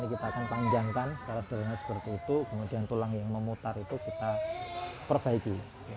kita bayangkan secara derainan seperti itu kemudian tulang yang memutar itu kita perbaiki